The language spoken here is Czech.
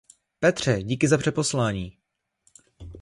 Petře, díky za přeposlání.